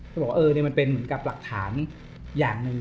ก็บอกว่าเออนี่มันเป็นเหมือนกับหลักฐานอย่างหนึ่ง